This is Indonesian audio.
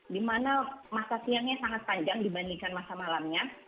di mana masa siangnya sangat panjang dibandingkan masa malamnya